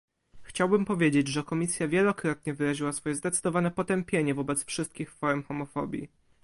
Chciałbym powiedzieć, że Komisja wielokrotnie wyraziła swoje zdecydowane potępienie wobec wszystkich form homofobii